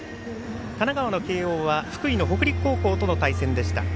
神奈川の慶応は福井の北陸高校との対戦でした。